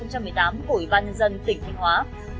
của ủy ban nhân dân tỉnh thanh hóa